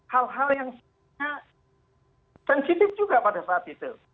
hal hal yang sebenarnya sensitif juga pada saat itu